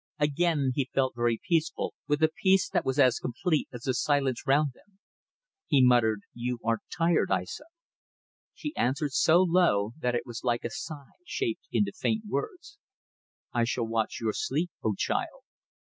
Again he felt very peaceful with a peace that was as complete as the silence round them. He muttered "You are tired, Aissa." She answered so low that it was like a sigh shaped into faint words. "I shall watch your sleep, O child!"